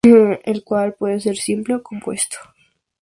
El cual puede ser simple o compuesto.